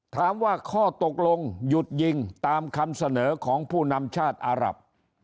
ถามว่าข้อตกลงหยุดยิงตามคำเสนอของผู้นำชาติอารับ